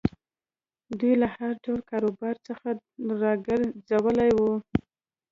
دوی له هر ډول کاروبار څخه را ګرځولي وو.